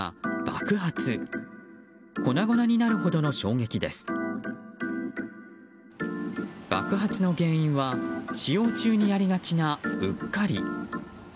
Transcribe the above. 爆発の原因は使用中にやりがちな、うっかり。